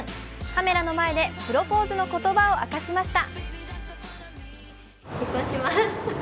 カメラの前でプロボーズの言葉を明かしました。